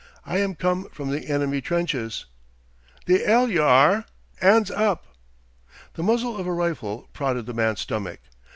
I am come from the enemy trenches." "The 'ell yer are! 'Ands up!" The muzzle of a rifle prodded the man's stomach.